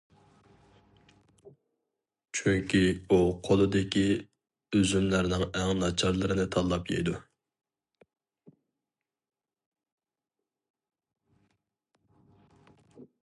چۈنكى ئۇ قۇلىدىكى ئۈزۈملەرنىڭ ئەڭ ناچارلىرىنى تاللاپ يەيدۇ.